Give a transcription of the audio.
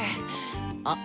あっ。